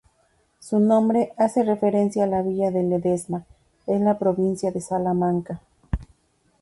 Su nombre hace referencia a la villa de Ledesma, en la provincia de Salamanca.